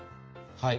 はい。